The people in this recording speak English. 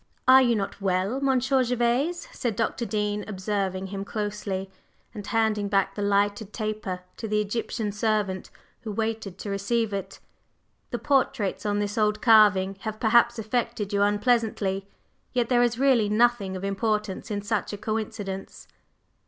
"Are you not well, Monsieur Gervase?" said Dr. Dean, observing him closely, and handing back the lighted taper to the Egyptian servant who waited to receive it. "The portraits on this old carving have perhaps affected you unpleasantly? Yet there is really nothing of importance in such a coincidence."